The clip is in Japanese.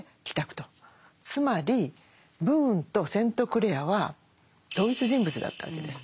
つまりブーンとセントクレアは同一人物だったわけです。